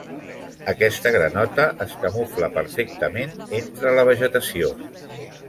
Aquesta granota es camufla perfectament entre la vegetació.